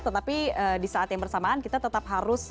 tetapi di saat yang bersamaan kita tetap harus